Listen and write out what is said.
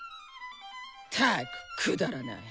ったくくだらない！